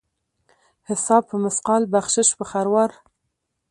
حساب په مثقال ، بخشش په خروار.